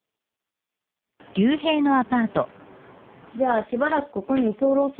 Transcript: じゃあしばらくここに居候するんだ？